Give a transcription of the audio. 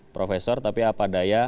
profesor tapi apa daya